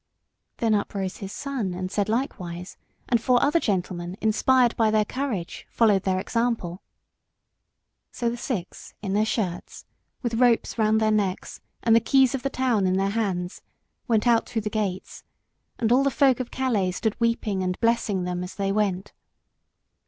Then up rose his son and said likewise, and four other gentlemen, inspired by their courage, followed their example. So the six in their shirts, with ropes round their necks and the keys of the town in their hands, went out through the gates, and all the folk of Calais stood weeping and blessing them as they went.